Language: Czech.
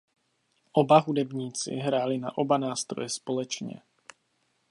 Oba hudebníci hráli na oba nástroje společně.